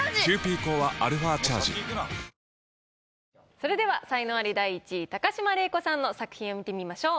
それでは才能アリ第１位高島礼子さんの作品を見てみましょう。